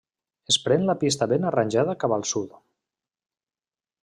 Es pren la pista ben arranjada cap al sud.